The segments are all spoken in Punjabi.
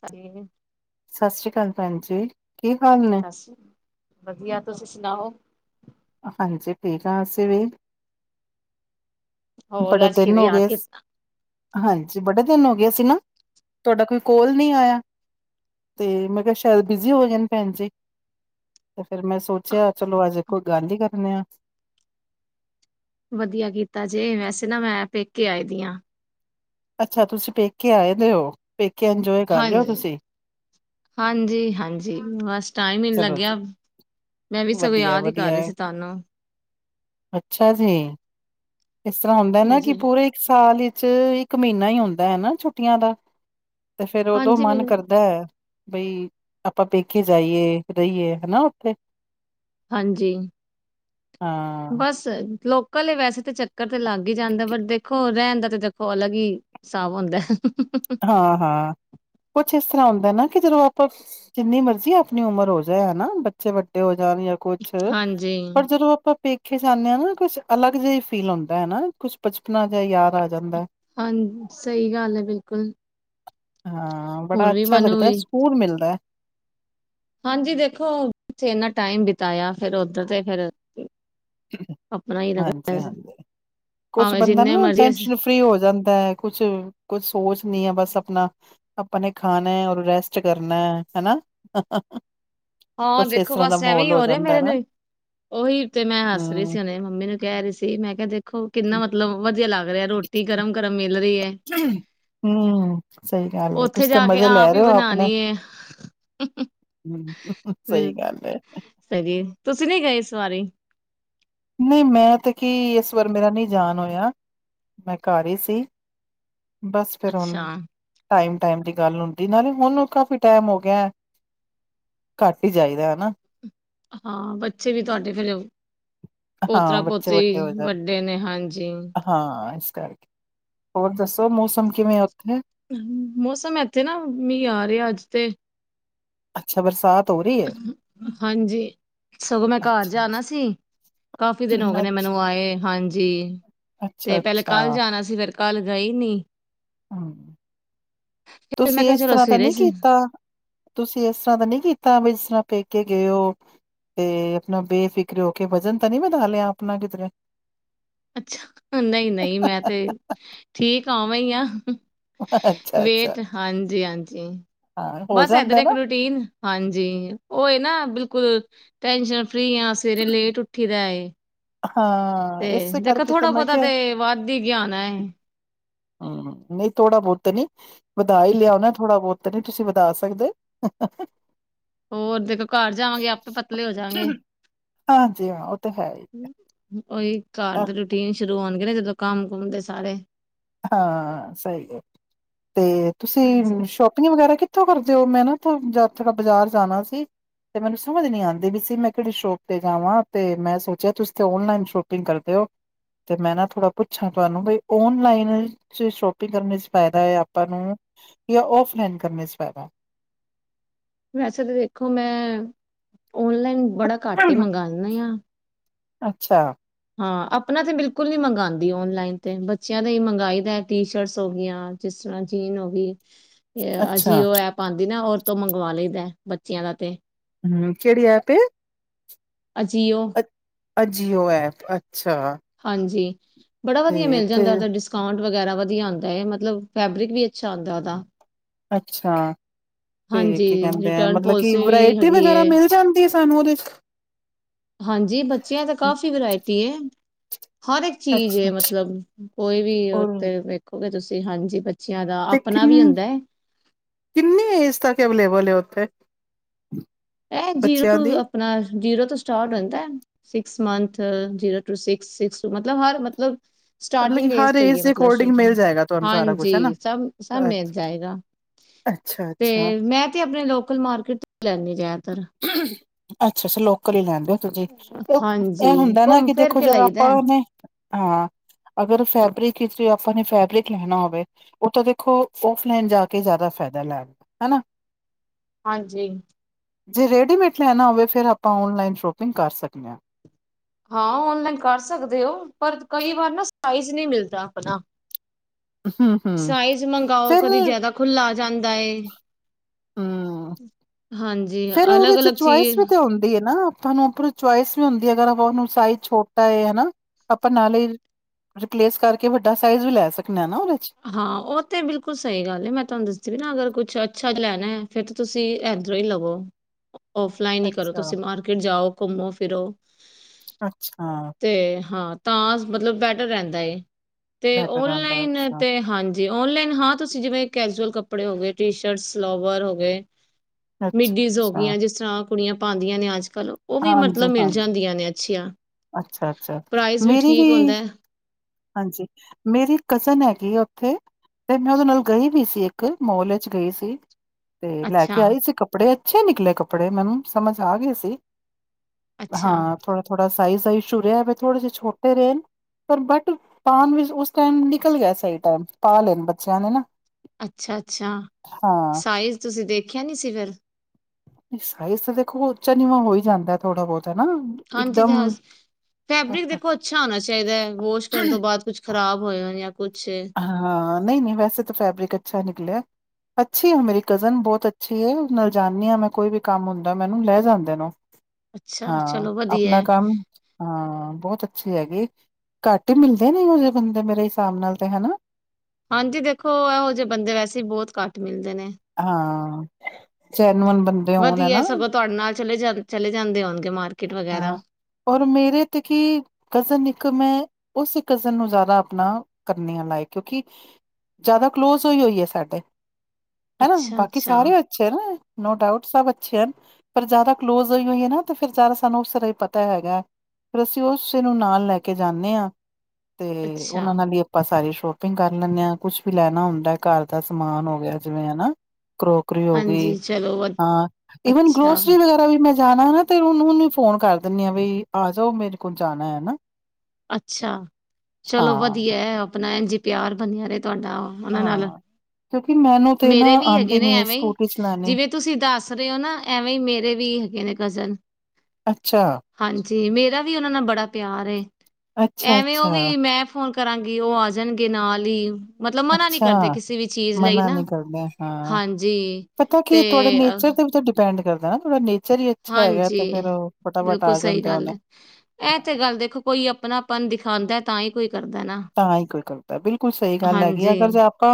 ਸ [unintelligible] ਸਤਿ ਸ੍ਰੀ ਅਕਾਲ ਭੈਣ ਜੀ ਕੀ ਹਾਲ ਨੇ? ਵਧੀਆ ਤੁਸੀਂ ਸੁਣਾਓ। ਹਾਂਜੀ ਠੀਕ ਹਾਂ ਅਸੀਂ ਵੀ ਹੋਰ ਬੜੇ ਅੱਜ ਦਿਨ ਕਿਵੇਂ ਹੋ ਯਾਦ ਗਏ। ਕੀਤਾ? ਹਾਂਜੀ ਬੜੇ ਦਿਨ ਹੋ ਗਿਆ ਸੀ ਨਾ ਤੁਹਾਡਾ ਕੋਈ ਕੋਲ ਨਹੀਂ ਆਇਆ। ਤੇ ਮੈਂ ਕਿਹਾ ਸ਼ਾਇਦ ਬਿਜ਼ੀ ਹੋ ਜਾਣੀ ਭੈਣ ਜੀ। ਤੇ ਫੇਿਰ ਮੈਂ ਸੋਚਿਆ ਚਲੋ ਅੱਜ ਕੋਈ ਗੱਲ ਹੀ ਕਰਨੇ ਆ। ਵਧੀਆ ਕੀਤਾ ਜੇ ਵੈਸੇ ਨਾ ਮੈਂ ਪੇਕੇ ਆਏ ਦੀ ਹਾਂ। ਅੱਛਾ ਤੁਸੀਂ ਪੇਕੇ ਆਏਦੇ ਹੋ ਪੇਕੇ ਇੰਜੋਏ ਕਰ ਹਾਂ ਰਹੇ ਹੋ ਤੁਸੀਂ ਹਾਂਜੀ, ਹਾਂਜੀ ਬਸ ਟਾਈਮ ਹੀ ਨੀ ਚਲੋ ਲੱਗਿਆ ਜੀ ਮੈਂ ਵੀ ਸਗੋਂ ਵਧੀਆ ਯਾਦ ਹੀ ਕਰ ਵਧੀਆ ਰਹੀ ਹੈ। ਸੀ ਤੁਹਾਨੂੰ ਅੱਛਾ ਜੀ ਇਸ ਤਰ੍ਹਾਂ ਹੁੰਦਾ ਨਾ ਕਿ ਹਾਂਜੀ। ਪੂਰੇ ਇੱਕ ਸਾਲ ਵਿੱਚ ਇੱਕ ਮਹੀਨਾ ਹੀ ਹੁੰਦਾ ਹੈ ਨਾ ਛੁੱਟੀਆਂ ਦਾ ਤੇ ਫਿਰ ਉਦੋਂ ਹਾਂਜੀ ਮਨ ਮੈਨੂੰ ਕਰਦਾ ਹੈ। ਬਈ ਆਪਾਂ ਪੇਕੇ ਜਾਈਏ ਰਹੀਏ ਹਨਾ ਉੱਥੇ ਹਾਂਜੀ, ਹਾਂ, ਬਸ ਲੋਕਲ ਵੈਸੇ ਤਾਂ ਚ ਚੱਕਰ ਤੇ ਲੱਗ ਹੀ ਜਾਂਦਾ ਬਟ ਦੇਖੋ ਰਹਿਣ ਦਾ ਤੇ ਦੇਖੋ ਅਲੱਗ ਹੀ ਹਿਸਾਬ ਹੁੰਦਾ ਹਾਂ ਹਾਂ ਕੁਛ ਇਸ ਤਰ੍ਹਾਂ ਹੁੰਦਾ ਨਾ ਕਿ ਜਦੋਂ ਆਪਾਂ ਜਿੰਨੀ ਮਰਜ਼ੀ ਆਪਣੀ ਉਮਰ ਹੋ ਜਾਏ ਹਨਾ ਬੱਚੇ ਵੱਡੇ ਹੋ ਜਾਣ ਜਾਂ ਕੁਛ ਹਾਂਜੀ। ਪਰ ਜਦੋਂ ਆਪਾਂ ਪੇਕੇ ਪੇਕੇ ਜਾਂਦੇ ਹਾਂ ਨਾ ਕੁਛ ਅਲੱਗ ਜੇਹਾ ਹੀ ਫੀਲ ਹੁੰਦਾ ਹੈ ਨਾ ਕੁਛ ਬਚਪਨਾ ਜੇਹਾ ਯਾਰ ਆ ਜਾਂਦਾ ਹਾਂ ਸਹੀ ਗੱਲ ਹੈ ਬਿਲਕੁਲ ਹਾਂ ਬੜਾ ਹੁਣ ਵੀ ਅੱਛਾ ਮਨ ਲੱਗਦਾ ਹੋਈ ਸਕੂਨ ਮਿਲਦਾ ਹਾਂਜੀ ਦੇਖੋ ਇਨਾ ਟਾਈਮ ਬਿਤਾਇਆ ਫਿਰ ਉਓਧਰ ਤੇ ਫਿਰ ਆਪਣਾ ਹੀ ਲੱਗਦਾ ਹਾਂਜੀ, ਵੈਸੇ, ਹਾਂਜੀ ਕੁਛ ਭਾਵੇਂ ਬੰਦਾ ਜਿੰਨੇ ਨਾ ਮਰਜ਼ੀ ਅਸੀਂ ਟੈਨਸ਼ਨ ਫਰੀ ਹੋ ਜਾਂਦਾ ਹੈ ਕੁਛ, ਕੁਛ ਸੋਚ ਨੀ ਹੈ ਬਸ ਆਪਣਾ ਆਪਾਂ ਨੇ ਖਾਣਾ ਰ ਰੈਸਟ ਕਰਨਾ ਹਨਾ ਹਾਂ ਕੁਛ ਇਸ ਦੇਖੋ ਤਰ੍ਹਾਂ ਦਾ ਬਸ ਐਵੇਂ ਹੀ ਮਾਹੌਲ ਹੋ ਰਿਹਾ ਜਾਂਦਾ ਮੇਰੇ ਹੈ ਨਾ ਨੂੰ ਉਹੀ ਤੇ ਮੈਂ ਹੱਸ ਰਹੀ ਸੀ ਹੂੰ। ਉਹਨੇ ਮੰਮੀ ਨੂੰ ਕਹਿ ਰਹੀ ਸੀ। ਮੈਂ ਕਿਹਾ ਦੇਖੋ ਕਿੰਨਾ ਮਤਲਬ ਵਧੀਆ ਲੱਗਦਾ। ਲਹ ਰੋਟੀ ਗਰਮ- ਗਰਮ ਮਿਲ ਰਹੀ [inaudible] ਹਮ ਸਹੀ ਗੱਲ ਉੱਥੇ ਤੁਸੀ ਤਾਂ ਜਾ ਕੇ ਮਜ਼ਾ ਲੈ ਆਪ ਹੀ ਰਹੇ ਹੋ ਆਪਣੇ ਬਣਾਉਣੀ ਹੈ ਹਮ ਬਿਲ, ਸਹੀਏ ਤੁਸੀਂ ਨੀ ਗਏ ਸਵਾਰੀ ਨਈ ਮੈਂ ਤਾਂ ਕੀ ਇਸ ਵਾਰ ਮੇਰਾ ਨਹੀਂ ਜਾਨ ਹੋਇਆ ਮੈਂ ਘਰ ਹੀ ਸੀ। ਬਸ ਫਿਰ ਹੁਣ ਅੱਛਾ ਟਾਈਮ- ਟਾਈਮ ਦੀ ਗੱਲ ਹੁੰਦੀ ਨਾਲੇ ਹੁਣ ਕਾਫੀ ਟਾਈਮ ਹੋ ਗਿਆ ਘੱਟ ਹੀ ਚਾਹੀਦਾ ਹਨਾ ਹਾਂ ਬੱਚੇ ਵੀ ਤੁਹਾਡੇ ਫ ਲਓ ਹਾਂ ਪੋਤਰਾ ਬੱਚੇ ਵੱਡੇ ਹੋ ਪੋਤਰੀ ਜਾਣ ਵੱਡੇ ਨੇ ਹਾਂਜੀ ਹਾਂ ਇਸ ਕਰਕੇ ਹੋਰ ਦੱਸੋ ਮੌਸਮ ਕਿਵੇਂ ਆ ਉੱਥੇ ਮੌਸਮ ਇੱਥੇ ਨਾ ਮੀਂ ਆ ਰਿਹਾ ਅੱਜ ਤੇ ਅੱਛਾ ਬਰਸਾਤ ਹੋ ਰਹੀ ਹੈ। ਹਾਂਜੀ, ਸਗੋਂ ਮੈਂ ਘਰ ਅੱਛਾ ਜਾਣਾ ਅੱਛਾ ਸੀ ਕਾਫੀ ਦਿਨ ਹੋ ਗਏ ਅੱਛਾ ਨੇ ਮੈਨੂੰ ਆਏ, ਹਾਂਜੀ ਅੱਛਾ ਤੇ ਪਹਿਲੇ ਅੱਛਾ ਕੱਲ ਜਾਣਾ ਸੀ ਫਿਰ ਕੱਲ ਗਈ ਨਈ ਹਮ ਫਿਰ ਮੈਂ ਤੁਸੀਂ ਕਿਹਾ ਇਸ ਚਲੋ ਤਰਾ ਤਾਂ ਸਵੇਰੇ ਨਹੀਂ ਚ ਕੀਤਾ ਤੁਸੀਂ ਇਸ ਤਰਾ ਤਾਂ ਨਹੀਂ ਕੀਤਾ ਬਈ ਜਿਸ ਤਰਾ ਪੇਕੇ ਗਏ ਹੋ ਤੇ ਆਪਣਾ ਬੇਫਿਕਰ ਹੋ ਕੇ ਵਜ਼ਨ ਤਾਂ ਨੀ ਵਧਾ ਲਿਆ ਆਪਣਾ ਕਿਧਰੇ ਅੱਛਾ, ਨਈ- ਨਈ ਮੈਂ ਤੇ ਠੀਕ ਆ ਓਵੇ ਆ ਅੱਛਾ ਅੱਛਾ ਵੇਟ ਹਾਂਜੀ- ਹਾਂਜੀ ਹਾਂ ਹੋ ਬਸ ਏਦਰ ਜਾਂਦਾ ਇੱਕ ਨਾ ਰੂਟੀਨ ਹਾਂਜੀ ਉਹਏ ਨਾ ਬਿਲਕੁਲ ਟੈਨਸ਼ਨ ਫਰੀ ਆ ਸਵੇਰੇ ਲੇਟ ਉੱਠੀ ਦਾ ਏ ਹਾਂ ਤੇ ਇਸੇ ਦੇਖੋ ਕਰਕੇ ਤਾਂ ਥੋੜਾ ਮੈਂ ਬਹੁਤਾ ਕਿਹਾ ਤੇ ਵੱਧ ਹੀ ਗਿਆ ਹੋਣਾ ਹੈ। ਹਮ ਨਹੀਂ ਥੋੜਾ ਬਹੁਤ ਤੇ ਨੀ ਵਦਾਹੀ ਲਿਆ ਹੋਣਾ ਹੈ ਥੋੜਾ ਬਹੁਤ ਤੇ ਨੀ ਤੁਸੀਂ ਵਧਾ ਸਕਦੇ ਹੋਰ ਦੇਖੋ ਘਰ ਜਾਵਾਂਗੇ ਆਪ ਪਤਲੇ ਹੋ ਜਾਗੇ ਹਾਂਜੀ ਹਾਂ ਉਹ ਤਾਂ ਹੈ ਹੀ ਉਹੀ ਘਰ ਅ- ਦੇ ਰੂਟੀਨ ਸ਼ੁਰੂ ਹੋਣਗੇ ਨਾ ਜਦੋਂ ਕੰਮ ਕੁੁੰਮ ਦੇ ਸਾਰੇ ਹਾਂ ਸਹੀ ਹੈ ਤੇ ਤੁਸੀਂ ਹਾਂਜੀ ਸ਼ੋਪ ਸ਼ਾਪਿੰਗ ਵਗੈਰਾ ਕਿੱਥੋਂ ਕਰਦੇ ਹੋ ਮੈਂ ਨਾ ਥੋੜਾ ਬਾਜ਼ਾਰ ਜਾਣਾ ਸੀ ਤੇ ਮੈਨੂੰ ਸਮਝ ਨਈ ਆਂਦੀ ਪਈ ਸੀ ਮੈਂ ਕਿੜੀ ਸ਼ੋਪ ਤੇ ਜਾਵਾਂ ਤੇ ਮੈਂ ਸੋਚਿਆ ਤੁਸੀ ਤੇ ਓਨਲਾਈਨ ਸ਼ੋਪਿੰਗ ਕਰਦੇ ਹੋ ਤੇ ਮੈਂ ਨਾ ਥੋੜਾ ਪੁੱਛਾਂ ਤੁਹਾਨੂੰ ਬਈ ਓਨਲਾਈਨ ਸ਼ੋਪਿੰਗ ਕਰਨ ਚ ਫਾਇਦਾ ਹੈ ਆਪਾਂ ਨੂੰ ਜਾਂ ਔਫਲਾਈਨ ਕਰਨ ਚ ਫਾਇਦਾ ਵੈਸੇ ਤਾਂ ਦੇਖੋ ਮੈਂ ਓਨਲਾਈਨ ਬੜਾ ਘੱਟ ਹੀ ਮੰਗਵਾਉਂਦਾ ਆ ਅੱਛਾ ਹਾਂ ਆਪਣਾ ਤੇ ਬਿਲਕੁਲ ਨੀ ਮੰਗਾਦੀ ਓਨਲਾਈਨ ਤੇ ਬੱਚਿਆਂ ਦਾ ਹੀ ਮੰਗਵਾਈ ਦਾ ਟੀ ਸ਼ਰਟਸ ਹੋ ਗਈਆਂ ਜਿਸ ਤਰ੍ਹਾਂ ਜੀਨ ਹੋ ਗਈ ਅ ਅੱਛਾ ਜੀਓ ਐਪ ਆਉਂਦੀ ਨਾ ਔਰਤ ਮੰਗਵਾ ਲੈਂਦਾ ਬੱਚਿਆਂ ਦਾ ਤੇ ਹਮ ਕਿਹੜੀ ਆਪੇ ਅਜੀਿਓ ਅਜੀਓ ਐਪ ਅੱਛਾ ਹਾਂਜੀ ਬੜਾ ਤੇ ਵਧੀਆ ਮਿਲ ਇੱਥੇ ਜਾਂਦਾ ਤੁ ਡਿਸਟ ਵਗੈਰਾ ਵਧੀਆ ਹੁੰਦਾ ਹੈ ਮਤਲਬ ਫੈਬਰਿਕ ਵੀ ਅੱਛਾ ਹੁੰਦਾ ਉਹਦਾ ਅੱਛਾ ਤੇ ਹਾਂਜੀ ਕੀ ਕਹਿੰਦੇ ਆ ਰਿਟਰਨ ਮਤਲਬ ਕਿ ਪੋਲਿਸੀ ਵੀ ਵਰਾਇਟੀ ਹੈਗੀ ਵਗੈਰਾ ਏ ਮਿਲ ਜਾਂਦੀ ਸਾਨੂੰ ਓਦੇ ਹਾਂਜੀ ਬੱਚਿਆਂ ਤਾਂ ਕਾਫ਼ੀ ਵਰਾਇਟੀ ਹੈ। ਹਰ ਇੱਕ ਚੀਜ਼ ਅੱਛਾ ਹੈ ਅੱਛਾ ਮਤਲਬ ਕੋਈ ਵੀ ਔਰ ਉਥ ਵੇਖੋਗੇ ਤੁਸੀਂ ਹਾਂਜੀ ਬੱਚਿਆਂ ਦਾ ਤੇ ਕਿ ਆਪਣਾ ਵੀ ਹੁੰਦਾ ਏ ਕਿੰਨੀ ਏਜ ਤੱਕ ਅਵੇਲੇਬਲ ਹੈ ਓਥੇ ਇਹ ਜੀਰੋ ਟੂ ਆਪਣਾ ਜੀਰੋ ਤੋਂ ਸਟਾਰਟ ਹੁੰਦਾ ਸਿਕਸ ਮੰਥ ਜੀਰੋ ਟੂ ਸਸ ਸਸ ਟੂ ਮਤਲਬ ਹਰ ਮਤਲਬ ਮਤਲਬ ਕਿ ਸਟਾਰਟਿੰਗ ਏਜ ਹਰ ਤੋਂ ਹੀ ਹੈ ਦੇ ਮਤਲਬ ਸ਼ ਅਕੋਰਡਿੰਗ ਮਿਲ ਜਾਏਗਾ ਤੁਹਾਨੂੰ ਸਾਰਾ ਹਾਂਜੀ ਕੁਛ ਹਨਾ ਸਭ ਸਭ ਮਿਲ ਅੱਛਾ ਜਾਏਗਾ ਅੱਛਾ ਤੇ ਅੱਛਾ ਮੈਂ ਤੇ ਆਪਣੇ ਲੋਕਲ ਮਾਰਕੀਟ ਤੋਂ ਲੈਂਦੀ ਰਿਿਆ ਇਧ ਅੱਛਾ ਅੱਛਾ ਲੋਕ ੱਕਰੀ ਲੈਂਦੇ ਹੋ ਤੁਸੀਂ ਹਾਂਜੀ ਇਹ ਹੁੰਦਾ ਨਾ ਘੁੰਮ ਕਿ ਫਿਰ ਦੇਖੋ ਕੇ ਜ ਲਈਦਾ ਆਪਾਂ ਹੈ। ਉਹਨੇ ਹਾਂ ਅਗਰ ਫੈਬਰਿਕ ਵਿੱਚ ਆਪਾਂ ਨੇ ਫੈਬਰਿਕ ਲੈਣਾ ਹੋਵੇ ਉਹ ਤਾਂ ਦੇਖੋ ਔਫਲਾਈਨ ਜਾ ਕੇ ਜ਼ਿਆਦਾ ਫਾਇਦਾ ਲੈ ਹਨਾ ਹਾਂਜੀ ਜੇ ਰੇਡੀਮੇਡ ਲੈਣਾ ਹੋਵੇ ਫਿਰ ਆਪਾਂ ਔਨਲਾਈਨ ਸ਼ੋਪਿੰਗ ਕਰ ਸਕਦੇ ਹਾਂ ਹਾਂ ਓਨਲਾਈਨ ਕਰ ਸਕਦੇ ਹੋ ਪਰ ਕਈ ਵਾਰ ਨਾ ਸਾਈਜ਼ ਨਹੀਂ ਮਿਲਦਾ ਆਪਣਾ ਹਮ ਹਮ ਸਾਈਜ਼ ਮੰਗਾਓ ਫਿਰ ਕਦੇ ਜਿਆਦਾ ਖੁਲ੍ਹਾ ਆ ਜਾਂਦਾ ਹਮ ਹਾਂਜੀ ਫੇਰ ਉਹਦੇ ਅਲੱਗ ਚ ਅਲੱਗ ਚੁਇਸ ਚੀਜ਼ ਵੀ ਤੇ ਹੁੰਂਦੀ ਹੈ ਨਾ ਆਪਾਂ ਨੂੰ ਆਪ ਚੋਇਸ ਵੀ ਹੁੰਦੀ ਹੈ ਅਗਰ ਉਹਨੂੰ ਸਾਈਜ਼ ਛੋਟਾ ਹੈਏ ਹਨਾ ਆਪਾਂ ਨਾਲ ਹੀ ਰਿਪਲੇਸ ਕਰਕੇ ਵੱਡਾ ਸਾਈਜ਼ ਵੀ ਲੈ ਸਕਦੇ ਹਾਂ ਨਾ ਉਹਦੇ ਚ ਹਾਂ ਉਹ ਤੇ ਬਿਲਕੁਲ ਸਹੀ ਗੱਲ ਹੈ ਮੈਂ ਤੁਹਾਨੂੰ ਦੱਦੀ ਵੀ ਨਾ ਅਗਰ ਕੁਛ ਅੱਛਾ ਲੈਣਾ ਹੈ ਫੇਰ ਤੁਸੀਂ ਐਂਥੋਈ ਲਵੋ ਔਫਲਾਈਨ ਹੀ ਕਰੋ ਅੱਛਾ ਤੁਸੀਂ ਮਾਰਕੀਟ ਜਾਓ ਘੁੰਮੋ ਫਿਰੋ ਅੱਛਾ ਅਤੇ ਹਾਂ ਤਾਂ ਮਤਲਬ ਬੈਟਰ ਰਹਿੰਦਾ ਏ ਅਤੇ ਬੈਟਰ ਰਹਿੰਦਾ ਔਨਲਾਈਨ ਅੱਛਾ ਹਾਂਜੀ ਓਨਲਾਈਨ ਹਾਂ ਤੁਸੀਂ ਜਿਵੇਂ ਕੈਜਲ ਕੱਪੜੇ ਹੋ ਗਏ ਟੀ ਸ਼ਰਟ ਸਲਾਵਰ ਹੋ ਗ ਅੱਛਾ ਮਿਡੀਜ਼ ਹੋ ਅੱਛਾ ਗਈਆਂ ਜਿਸ ਤਰ੍ਹਾਂ ਕੁੜੀਆਂ ਪਾਉਂਦੀਆਂ ਨੇ ਅੱਜ ਕੱਲ੍ਹ ਉਹ ਵੀ ਹਾਂਜੀ ਮਤਲਬ ਮਿਲ ਹਾਂਜੀ ਜਾਂਦੀਆਂ ਨੇ ਅੱਛੀਆਂ ਅੱਛਾ ਅੱਛਾ ਪ੍ਰਾਈਸ ਮੇਰੀ ਵੀ ਠੀਕ ਹੁੰਦਾ ਹੈ ਹਾਂਜੀ ਮੇਰੀ ਕਜ਼ਨ ਹੈਗੀ ਆ ਉੱਥੇ ਤੇ ਮੈਂ ਉਹਦੇ ਨਾਲ ਗਈ ਵੀ ਸੀ ਇੱਕ ਮੋਲ ਵਿੱਚ ਗਈ ਸੀ ਤੇ ਲੈ ਕੇ ਅੱਛਾ ਆਈ ਸੀ ਕੱਪੜੇ ਅੱਛੇ ਨਿਕਲੇ ਕੱਪੜੇ ਮੈਨੂੰ ਸਮਝ ਆ ਗਏ ਸੀ ਅੱਛਾ ਹਾਂ ਥੋੜਾ ਥੋੜਾ ਸਾਈਜ਼ਾਈਜ਼ ਸ਼ ਰਿਹਾ ਥੋੜੇ ਜਿਹੇ ਛੋਟੇ ਰਹੇ ਪਰ ਬਟ ਪਾਉਣ ਵਿੱਚ ਉਸ ਟਾਈਮ ਨਿਕਲ ਗਿਆ ਸਹੀ ਟਾਈਮ ਪਾ ਲੈਣ ਬੱਚਿਆਂ ਨੇ ਨਾ ਅੱਛਾ ਅੱਛਾ ਹਾਂ। ਸਾਈਜ਼ ਤੁਸੀਂ ਦੇਖਿਆ ਨਹੀਂ ਸੀ ਫਿਰ ਸਾਈਜ਼ ਤਾਂ ਦੇਖੋ ਚਨੀਵਾ ਹੋਈ ਜਾਂਦਾ ਥੋੜਾ ਬਹੁਤ ਹੈਾ ਹਾਂਜੀ ਜਹਾਜ਼ ਫੈਬਰਿਕ ਦੇਖੋ ਅੱਛਾ ਹੋਣਾ ਚਾਹੀਦਾ ਹੈ ਵਾਸ਼ ਕਰਨ ਤੋਂ ਬਾਅਦ ਕੁਛ ਖ਼ਰਾਬ ਹੋਏ ਹੋ ਜਾਂ ਕੁਛ ਹਾਂ ਨਹੀਂ ਨਹੀਂ ਵੈਸੇ ਤਾਂ ਫੈਬਰਿਕ ਅੱਛਾ ਨਿਕਲਿਆ ਅੱਛੀ ਆ ਮੇਰੀ ਕਜ਼ਨ ਬਹੁਤ ਅੱਛੀ ਨਾਲ ਜਾਣਨੀ ਹਾਂ ਮੈਂ ਕੋਈ ਵੀ ਕੰਮ ਹੁੰਦਾ ਮੈ ਉਹਨੂੰ ਲੈ ਜਾਂਦੇ ਨੂੰ ਅੱਛਾ ਹਾਂ ਚਲੋ ਵਧੀਆ ਆਪਣਾ ਹੈ। ਕੰਮ ਹਾਂ ਬਹੁਤ ਅੱਛੀ ਹੈਗੀ ਘੱਟ ਹੀ ਮਿਲਦੇ ਨੇ ਉਹ ਜਹੇ ਬੰਦੇ ਮੇਰੇ ਹਿਸਾਬ ਨਾਲ ਤੇ ਹਨਾ ਹਾਂਜੀ ਦੇਖੋ ਇਹੋ ਜਿਹੇ ਬੰਦੇ ਵੈਸੇ ਹੀ ਬਹੁਤ ਘੱਟ ਮਿਲਦੇ ਨੇ ਹਾਂ ਚੈਨਵਨ ਬੰਦੇ ਹੋਣ ਵਧੀਆ ਹੈ, ਹਨਾ ਸਗੋਂ ਤੁਹਾਡੇ ਨਾਲ ਚਲੇ ਜਾ ਚਲੇ ਜਾਂਦੇ ਹੋਣਗੇ ਮਾਰ ਹਾਂ ਔਰ ਮੇਰੇ ਤੇ ਕੀ ਕਜ਼ਨ ਇੱਕ ਮੈਂ ਉਸ ਕਜ਼ਨ ਨੂੰ ਜ਼ਿਆਦਾ ਆਪਣਾ ਕਰਨੀ ਹ ਲਾਾਇਕ ਕਿਉਂਕਿ ਜ਼ਿਆਦਾ ਕਲੋਜ ਹੋਈ ਹੋਈ ਹੈ ਸਾਡੇ ਹਨਾ ਅੱਛਾ ਬਾਕੀ ਅੱਛਾ ਸਾਰੇ ਅ ਨੋ ਡਾਊਟ ਸਭ ਅੱਛੇ ਹਨ ਪਰ ਜ਼ਿਆਦਾ ਕਲੋਜ ਹੋ ਨਾ ਫਿਰ ਜ਼ਾਰ ਸਾਨੂੰ ਉਸ ਤਰ੍ਹਾਂ ਹੀ ਪਤਾ ਹੈਗਾ ਹੈ ਫ਼ਿਰ ਅਸੀਂ ਉਸੇ ਨੂੰ ਨਾਲ ਲੈ ਕੇ ਜਾਂਦੇ ਹਾਂ ਤੇ ਅੱਛਾ ਉਹਨਾਂ ਨਾਲ ਵੀ ਆਪਾਂ ਸਾਰੀ ਸ਼ੋਪਿੰਗ ਕਰ ਲੈਂਦੇ ਹਾਂ ਕੁਛ ਵੀ ਲੈਣਾ ਹੁੰਦਾ ਘਰ ਦਾ ਸਮਾਨ ਹੋ ਗਿਆ ਜਿਵੇਂ ਹਨਾ ਕਰੋ ਰੀ ਹੋ ਗਈ ਹਾਂਜੀ ਚਲੋ ਵ ਹਾਂ ਵਨ ਅੱਛਾ ਗਰੋਸਰੀ ਵਗੈਰਾ ਵੀ ਮੈਂ ਜਾਣਾ ਨਾ ਤੇ ਉਹਨੂੰ ਉਹਨੂੰ ਫੋਨ ਕਰ ਦਿੰੇ ਆ ਬਈ ਆ ਜਾਓ ਮੇਰੇ ਕੋਲ ਜਾਣਾ ਹੈ ਨਾ ਅੱਛਾ ਹਾਂ ਚਲੋ ਵਧੀਆ ਆਪਣਾ ਐ ਜੀ ਪਿਆਰ ਬਣਿਆ ਰਹੇ ਤੁਹਾਡਾ ਉਹਨਾਂ ਨਾਲ ਹਾਂ ਕਿਉਂਕਿ ਮੈਨੂੰ ਤੇ ਨਾ ਮੇਰੇ ਵੀ ਹੈਗੇ ਆਉਂਦੀ ਨੇ ਨੀ ਹੈ ਐਵੇਂ ਹੀ ਸਕੂਟੀ ਚਲਾਉਣੀ ਜਿਵੇਂ ਤੁਸੀਂ ਦੱਸ ਰਹੇ ਹੋ ਨਾ ਐਵੇਂ ਹੀ ਮੇਰੇ ਵੀ ਹੈਗੇ ਨੇ ਗਜ਼ਨ ਅੱਛਾ ਹਾਂਜੀ ਮੇਰਾ ਵੀ ਉਹਨਾਂ ਨਾਲ ਬੜਾ ਪਿਆਰ ਏ ਅੱਛਾ ਐਵੇਂ ਉਹ ਅੱਛਾ ਵੀ ਮੈਂ ਫੋਨ ਕਰਾਂਗੀ ਉਹ ਆ ਜਾਣਗੇ ਨਾਲ ਹੀ ਮਤਲਬ ਮਨਾ ਨਹੀਂੀ ਅੱਛਾ ਕਰਦੇ ਕਿਸੇ ਵੀ ਚੀਜ਼ ਲਈ ਮਨਾ ਨਾ ਨੀ ਕਰਦਾ ਹਾਂ ਹਾਂਜੀ ਪਤਾ ਤੇ ਕੀ ਤੁਹਾਡੇ ਅ, ਨੇਚਰ ਦੇ ਵਿੱਚ ਡਿਪੈਂਡ ਕਰਦਾ ਨਾ ਤੁਹਾਡਾ ਨੇਚਰ ਹੀ ਅੱਛਾ ਹੈਗਾ ਤੇ ਫੇਰ ਹਾਂਜੀ ਉਹ ਫਟਾਫਟ ਬਿਲਕੁਲ ਆ ਸਹੀ ਜਾਂਦੇ ਗੱਲ ਉਹਨ ਹੈ ਇਹ ਤੇ ਗੱਲ ਦੇਖੋ ਕੋਈ ਆਪਣਾਪਨ ਦਿਖਾਉਂਦਾ ਤਾਂ ਹੀ ਕੋਈ ਕਰਦਾ ਨਾ ਤਾਂ ਹੀ ਕੋਈ ਗਦਾ ਬਿਲਕੁਲ ਸਹੀ ਗੱਲ ਹੈਗੀ ਹਾਂਜੀ ਅਗਰ ਜੇ ਆਪਾਂ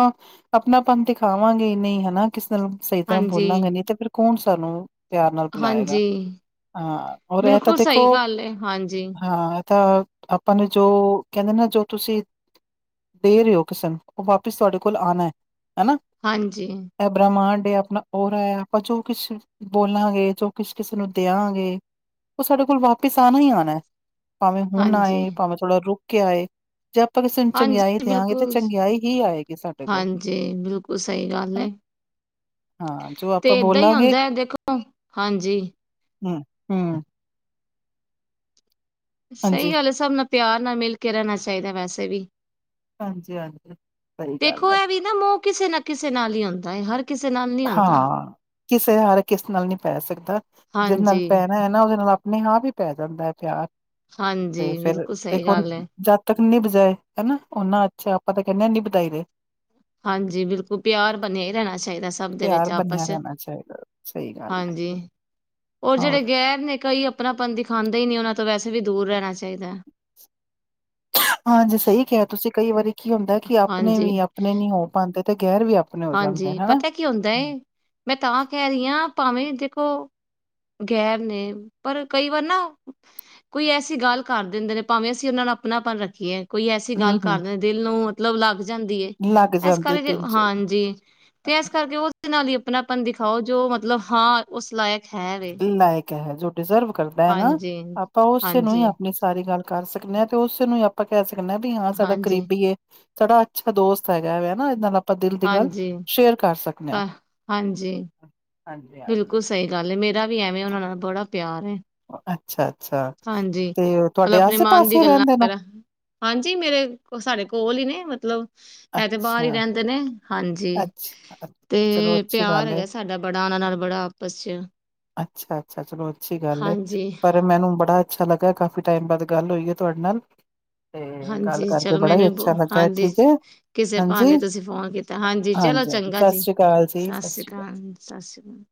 ਆਪਣਾਪਨ ਦਿਖਾਵਾਂਗੇ ਨਹੀਂ ਹਨਾ ਕਿਸੇ ਨਾਲ ਸਹੀ ਤਰ੍ਹਾਂ ਹਾਂਜੀ ਬੋਲਾਂਗੇ ਨ ਤੇ ਫਿਰ ਕੌਣ ਸਾਨੂੰ ਪਿਆਰ ਨਾਲ ਬੁਲਾਏਗਾ ਹਾਂਜੀ ਹਾਂ ਔਰ ਇਹ ਤਾਂ ਬਿਲਕੁਲ ਦੇਖੋ ਸਹੀ ਗੱਲ ਹੈ ਹਾਂਜੀ ਹਾਂ ਇਹ ਤਾਂ ਆਪਾਂ ਨੂੰ ਜੋ ਕਹਿੰਦੇ ਨਾ ਜੋ ਤੁਸੀਂ ਦੇ ਰਹੇ ਹੋ ਕਿਸੇ ਨੂੰ ਉਹ ਵਾਪਿਸ ਤੁਹਾਡੇ ਕੋਲ ਆਉਣਾ ਹੈ ਹਨਾ ਹਾਂਜੀ ਇਹ ਬ੍ਰਹਮਾਂਡ ਹੈ ਆਪਣਾ ਰ ਆਪਾਂ ਜੋ ਕਿਛ ਬੋਲਾਂਗੇ ਜੋ ਕੁਛ ਕਿਸੇ ਨੂੰ ਦਿਆਂਗੇ ਉਹ ਸਾਡੇ ਕੋਲ ਵਾਪਿਸ ਆਉਣਾ ਹੀ ਆਉਣਾ ਭਾਵੇਂ ਹੁਣ ਹਾਂਜੀ ਆਏ ਭਾਵੇਂ ਥੋੜ੍ਹਾ ਰੁਕ ਕੇ ਆਏ ਜੇ ਆਪਾਂ ਕਿਸੇ ਨੂੰ ਚੰਗਿਆਈ ਹਾਂਜੀ ਦੇਿਆਂਗੇ ਤਾਂ ਬਿਲਕੁਲ ਚੰਗਿਆਈ ਹੀ ਆਏਗੀ ਸਾਡੇ ਕੋਲ ਹਾਂਜੀ ਬਿਲਕੁਲ ਸਹੀ ਗੱਲ ਹੈ ਹਾਂ ਜੋ ਆਪਾਂ ਤੇ ਏਦਾਂ ਹੀ ਬੋਲਾਂਗੇ ਹੁੰਦਾ ਹੈ ਦੇਖੋ ਹਾਂਜੀ ਹਮ ਹਮ ਸਹੀ ਹਾਂਜੀ, ਗੱਲ ਹੈ ਹਾਬ ਨਾਲ ਪਿਆਰ ਨਾਲ ਮਿਲ ਕੇ ਰਹਿਣਾ ਚਾਹੀਦਾ ਵੈਸੇ ਵੀ ਹਾਂਜੀ ਹਾਂਜੀ ਸਹੀ ਗੱਲ ਹੈ ਮਹ ਕਿਸੇ ਨਾ ਕਿਸੇ ਨਾਲ ਹੀ ਆਉਂਦਾ ਹੈ ਹਰ ਕਿਸੇ ਨਾਲ ਨਹੀਂ ਹੁੰਦਾ ਹਾਂ ਕਿਸੇ ਹਾਰ ਕਿਸ ਨਾਲ ਨਹੀਂੀ ਪੈ ਸਕਦਾ ਜਿਹਦੇ ਨਾਲ ਹਾਂਜੀ ਪੈਣਾ ਹੈ ਨਾ ਉਹਦੇ ਨਾਲ ਆਪਣੀ ਹਾਂ ਵੀ ਪੈ ਜਾਂਦਾ ਹੈ ਪਿਆਰ ਤੇ ਹਾਂਜੀ ਫਿਰ ਬਿਲਕੁਲ ਸਹੀ ਦੇਖੋ ਗੱਲ ਹੈ ਤੱਕ ਨੀ ਬਜਾਏ ਹਨਾ ਓਨਾ ਅੱਛਾ ਆਪਾਂ ਤਾਂ ਕਹਿੰਦੇ ਨੀ ਵਧਾਈ ਰਹੇ ਹਾਂਜੀ ਬਿਲਕੁਲ ਪਿਆਰ ਬਣਿਆ ਹੀ ਰਹਿਣਾ ਚਾਹੀਦਾ ਸਭ ਦੇ ਵਿੱਚ ਪਿਆਰ ਬੰਨਿਆ ਆਪਸ ਰਹਿਣਾ ਚਾਹੀਦਾ ਸਹੀ ਗੱਲ ਹਾਂਜੀ ਹੈ ਰ ਜਿਹੜੇ ਹੋਰ ਗਹਿਰ ਨੇ ਕਈ ਆਪਣਾਪਨ ਦਿਖਾਂਦੇ ਹੀ ਨਹੀਂ ਉਹਨਾਂ ਤੋਂ ਵੈਸੇ ਵੀ ਦੂਰ ਰਹਿਣਾ ਚਾਹੀਦਾ ਹਾਂਜੀ ਸਹੀ ਕਿਹਾ ਤੁਸੀਂ ਕਈ ਵਾਰੀ ਕੀ ਹੁੰਦਾ ਕਿ ਆਪਣੇ ਹਾਂਜੀ ਵੀ ਆਪਣੇ ਨੀ ਹੋ ਪਾਉਂਦੇ ਤੇ ਗੈਰ ਵੀ ਆਪ ਹਾਂਜੀ ਪਤਾ ਕੀ ਹੁੰਦਾ ਐ ਮੈਂ ਤਾਂ ਕਹਿ ਰਹੀ ਹਾਂ ਭਾਵੇਂ ਦੇਖੋ ਗੈਰ ਨੇ ਪਰ ਕਈ ਵਾਰ ਨਾ ਕੋਈ ਐਸੀ ਗੱਲ ਕਰ ਦਿੰਦੇ ਨੇ ਭਾਵੇਂ ਅਸੀਂ ਉਹਨਾਂ ਨੂੰ ਆਪਣਾ ਆਪਨ ਰੱਖੀਏ ਕੋਈ ਐਸੀ ਗੱਲ ਹੂੰ, ਹੂੰ ਕਰਦੇ ਦਿਲ ਨੂੰ ਮਤਲਬ ਲੱਗ ਜਾਂਦੀ ਹੈ ਲੱਗ ਇਸ ਜਾਂਦੇ ਕਰਕੇ ਪਿੰਜ ਹਾਂਜੀ ਜੀ ਤੇ ਇਸ ਕਰਕੇ ਉਸਦੇ ਨਾਲ ਹੀ ਆਪਣਾਪਨ ਦਿਖਾਓ ਜੋ ਮਤਲਬ ਹਾਂ ਉਸ ਲਾਇਕ ਹੈ ਵੇ ਲਾਇਕ ਹੈ ਜੋ ਡਿਜ਼ਰਵ ਕਰਦਾ ਹੈ ਨਾ ਹਾਂਜੀ ਆਪਾਂ ਉਸੇ ਨੂੰ ਹੀ ਹਾਂਜੀ ਆਪਣੇ ਸਾਰੀ ਗੱਲ ਕਰ ਸਕਦੇ ਹਾਂ ਤੇ ਉਸੈਨੂੰ ਹੀ ਆਪਾਂ ਕਹਿ ਸਕਦੇ ਹਾਂ ਵੀ ਹਾਂ ਸਾਡਾ ਹਾਂਜੀ ਕਰੀਬੀ ਏ। ਸਾਡਾ ਅੱਛਾ ਦੋਸਤ ਹੈਗਾ ਵੇ ਨਾ ਇਹਦੇ ਨਾਲ ਆਪਾਂ ਦਿਲ ਦੀ ਗੱਲ ਸ਼ੇਅਰ ਕਰ ਸਕਦੇ ਹਾਂ। ਹਾ ਹਾਂਜੀ ਹਾਂਜੀ ਹਾਂਜੀ। ਬਿਲਕੁਲ ਸਹੀ ਗੱਲ ਐ ਮੇਰਾ ਵੀ ਐਵੇਂ ਉਹਨਾਂ ਨਾਲ ਬੜਾ ਪਿਆਰ ਏ। ਅੱਛਾ ਅੱਛਾ ਹਾਂਜੀ ਤੇ ਮਤਲਬ ਤੁਹਾਡੇ ਆਪਣੇ ਆਸੇ ਮਣ ਦੀ ਪਾਸੇ ਗੱਲਾਂ ਰਹਿੰਦੇ ਨੇ ਕਰ ਹਾਂਜੀ ਮੇਰੇ ਕੋ ਸਾਡੇ ਕੋਲ ਹੀ ਨੇ ਮਤਲਬ ਹੈ ਤੇ ਬਾਹਰ ਹੀ ਅੱਛਾ ਰਹਿੰਦੇ ਨੇ ਹਾਂਜੀ ਅੱਛਾ ਤੇ ਚਲੋ ਅੱਛੀ ਪਿਆਰ ਗੱਲ ਹੈ ਹੈਗਾ ਸਾਡਾ ਬੜਾ ਉਹਨਾਂ ਨਾਲ ਬੜਾ ਆਪਸ ਚ ਅੱਛਾ ਅੱਛਾ ਚਲੋ ਅੱਛੀ ਗੱਲ ਹੈ ਹਾਂਜੀ, ਪਰ ਮੈਨੂੰ ਬੜਾ ਅੱਛਾ ਲੱਗਾ ਕਾਫੀ ਟਾਈਮ ਬਾਅਦ ਗੱਲ ਹੋਈ ਹੈ ਤੁਹਾਡੇ ਨਾਲ। ਤੇ ਗੱਲ ਹਾਂਜੀ ਕਰਕੇ ਚਲੋ ਬੜਾ ਮੈਨੂੰ ਹੀ ਵੀ ਬ ਅੱਛਾ ਲੱਗਾ ਹਾਂਜੀ ਠੀਕ ਹੈ ਕਿਸੇ ਹਾਂਜੀ। ਭਾਨੇ ਤੁਸੀਂ ਫੋਨ ਕੀਤਾ। ਹਾਂਜੀ ਚਲੋ ਹਾਂਜੀ ਚੰਗਾ ਸਤਿ ਜੀ ਸ੍ਰੀ ਅਕਾਲ ਜੀ ਸਤਿ ਸ੍ਰੀ ਸ਼੍ਰੀ ਅਕਾਲ ਸਤਿ ਸ਼੍ਰੀ ਅਕਾਲ।